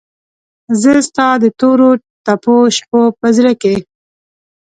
زه ستا دتوروتپوشپوپه زړه کې